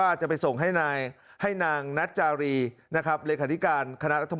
ค่าร่าจะไปส่งที่ในนางนัทจารีนะครับ